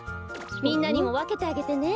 みんなにもわけてあげてね。